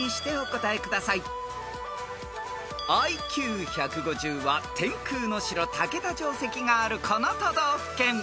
［ＩＱ１５０は天空の城竹田城跡があるこの都道府県］